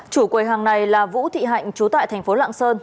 chủ quầy hàng này là vũ thị hạnh chú tại tp lạng sơn